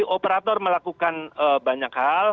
operator melakukan banyak hal